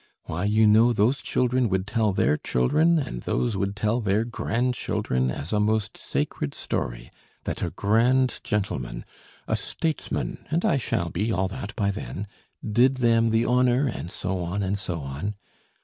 Why you know those children would tell their children, and those would tell their grandchildren as a most sacred story that a grand gentleman, a statesman (and I shall be all that by then) did them the honour, and so on, and so on.